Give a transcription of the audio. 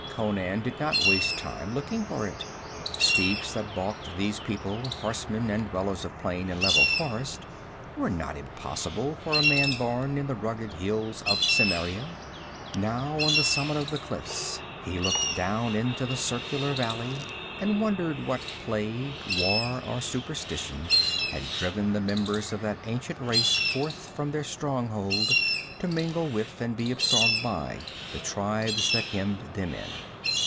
Conan did not waste time looking for it. Steeps that balked these people, horsemen and dwellers of plain and level forest, were not impossible for a man born in the rugged hills of Cimmeria. Now on the summit of the cliffs he looked down into the circular valley and wondered what plague, war or superstition had driven the members of that ancient race forth from their stronghold to mingle with and be absorbed by the tribes that hemmed them in.